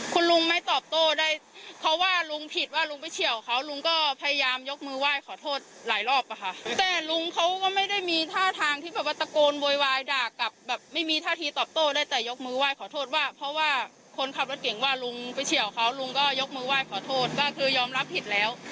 คุณลุงไม่ตอบโต้ได้เพราะว่าลุงผิดว่าลุงไปเฉียวเขาลุงก็พยายามยกมือไหว้ขอโทษหลายรอบอะค่ะแต่ลุงเขาก็ไม่ได้มีท่าทางที่แบบว่าตะโกนโวยวายด่ากลับแบบไม่มีท่าทีตอบโต้ได้แต่ยกมือไหว้ขอโทษว่าเพราะว่าคนขับรถเก่งว่าลุงไปเฉียวเขาลุงก็ยกมือไหว้ขอโทษก็คือยอมรับผิดแล้ว